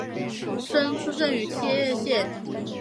出生于千叶县。